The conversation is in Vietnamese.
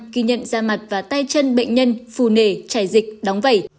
ghi nhận da mặt và tay chân bệnh nhân phù nề chảy dịch đóng vẩy